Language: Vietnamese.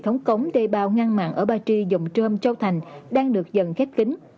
hệ thống cống đê bao ngăn mặn ở ba tri dòng trơm châu thành đang được dần khép kính